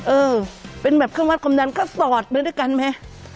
เออเป็นแบบเครื่องวัดความดันก็สอดไปด้วยกันไหม